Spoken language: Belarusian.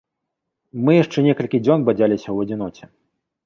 Мы яшчэ некалькi дзён бадзялiся ў адзiноце.